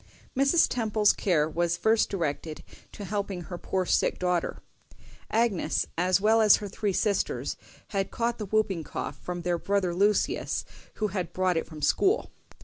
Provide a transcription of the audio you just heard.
Mrs. Temple's care was first directed to helping her poor sick daughter. Agnes, as well as her three sisters, had caught the whooping cough from their brother Lucius, who had brought it from school.